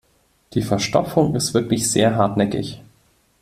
Die Verstopfung ist wirklich sehr hartnäckig.